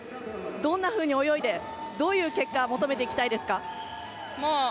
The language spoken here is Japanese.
どんなふうに泳いでどういう結果求めていきたいですか？